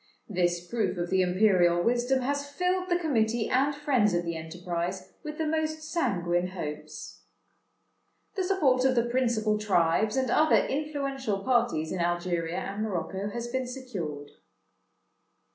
This proof of the imperial wisdom has filled the Committee and friends of the enterprise with the most sanguine hopes. "The support of the principal tribes, and other influential parties in Algeria and Morocco, has been secured.